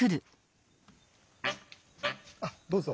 あっどうぞ。